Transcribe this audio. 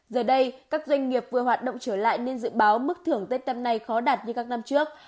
giờ đây các doanh nghiệp vừa hoạt động trở lại nên dự báo mức thưởng tết năm nay khó đạt như các năm trước